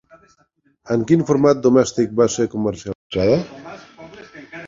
En quin format domèstic va ser comercialitzada?